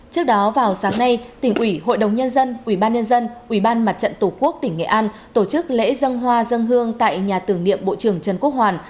trước đó vào sáng nay tỉnh ủy hội đồng nhân dân ubnd ubnd tổ quốc tỉnh nghệ an tổ chức lễ dâng hoa dâng hương tại nhà tưởng niệm bộ trưởng trần quốc hoàn